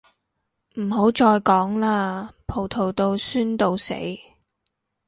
唔好再講喇，葡萄到酸到死